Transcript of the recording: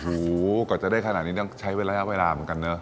หูกว่าจะได้ขนาดนี้ต้องใช้เป็นระยะเวลาเหมือนกันเนอะ